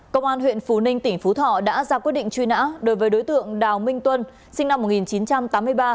công an huyện phú ninh tỉnh phú thọ đã ra quyết định truy nã đối với đối tượng đào minh tuân sinh năm một nghìn chín trăm tám mươi ba